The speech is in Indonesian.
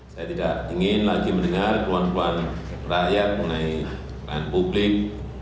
saya tidak ingin lagi mendengar keluhan keluhan rakyat mengenai pelayanan publik